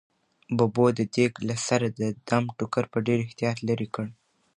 ببو د دېګ له سره د دم ټوکر په ډېر احتیاط لیرې کړ.